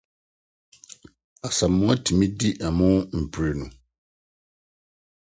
Asamoah tumi di ɛmo mprenu.